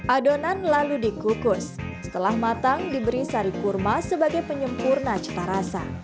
adonan lalu dikukus setelah matang diberi sari kurma sebagai penyempurna cita rasa